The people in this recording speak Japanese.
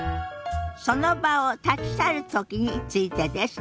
その場を立ち去るときについてです。